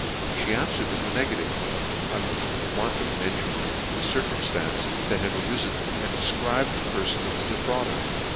She anfwered in the negative , on which Markham mentioned the circumftance that had ariien, and delcribed the peribn of the defrauder.